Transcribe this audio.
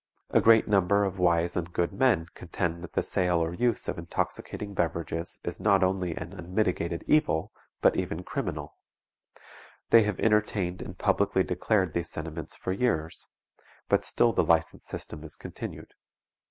A great number of wise and good men contend that the sale or use of intoxicating beverages is not only an unmitigated evil, but even criminal; they have entertained and publicly declared these sentiments for years, but still the license system is continued.